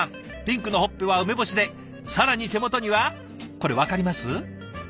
ピンクのほっぺは梅干しで更に手元にはこれ分かります？